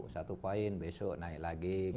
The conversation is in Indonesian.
satu poin besok naik lagi